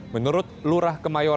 menurut lurah kemayoran